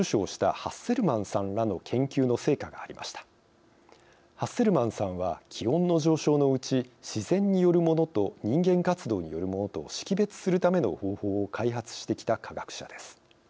ハッセルマンさんは気温の上昇のうち自然によるものと人間活動によるものと識別するための方法を開発してきた科学者です。